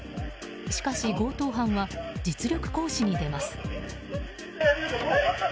しかし、強盗犯は実力行使に出ます。